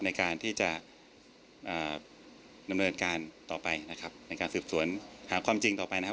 ในการที่จะดำเนินการต่อไปนะครับในการสืบสวนหาความจริงต่อไปนะครับ